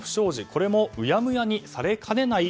これも、うやむやにされかねない